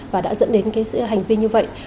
và đã dẫn đến cái hành vi như vậy